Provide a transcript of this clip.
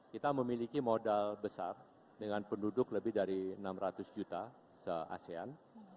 kita memiliki modal besar dengan penduduk lebih dari enam ratus juta se asean